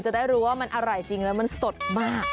จะได้รู้ว่ามันอร่อยจริงแล้วมันสดมาก